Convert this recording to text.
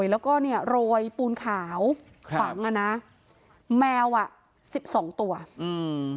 แล้วก็เนี่ยโรยปูนขาวครับฝังอ่ะนะแมวอ่ะสิบสองตัวอืม